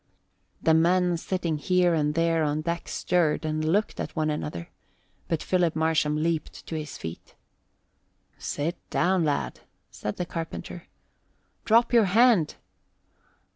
The men sitting here and there on deck stirred and looked at one another; but Philip Marsham leaped to his feet. "Sit down, lad," said the carpenter. "Drop your hand!"